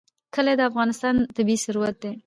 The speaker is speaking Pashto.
کلي د افغانستان طبعي ثروت دی.